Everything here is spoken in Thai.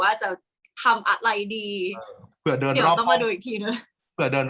กากตัวทำอะไรบ้างอยู่ตรงนี้คนเดียว